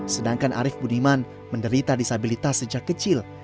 sedangkan arief budiman menderita disabilitas sejak kecil